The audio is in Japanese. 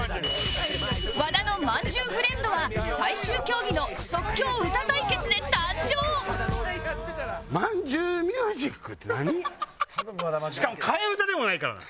和田の「まんじゅうフレンド」は最終競技のしかも替え歌でもないからな。